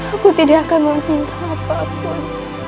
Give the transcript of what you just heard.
aku tidak akan meminta apapun